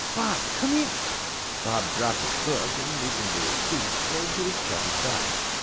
Bob. Come here." Bob dropped his book and, leaping to his feet, strode to his chum's side.